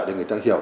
để người ta hiểu